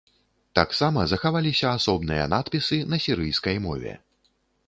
Таксама захаваліся асобныя надпісы на сірыйскай мове.